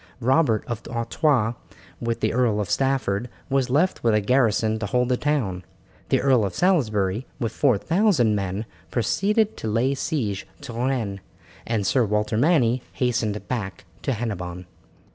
Robert of Artois, with the Earl of Stafford, was left with a garrison to hold the town. The Earl of Salisbury, with four thousand men, proceeded to lay siege to Rennes, and Sir Walter Manny hastened back to Hennebon.